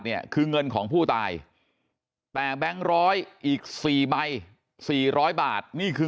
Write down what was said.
เนี่ยคือเงินของผู้ตายแต่แบงค์ร้อยอีก๔ใบ๔๐๐บาทนี่คือ